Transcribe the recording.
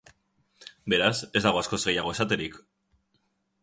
Beraz, ez dago askoz gehiago esaterik.